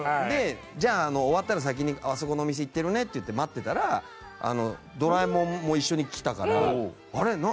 でじゃあ終わったら先にあそこのお店行ってるねって言って待ってたらドラえもんも一緒に来たからあれ？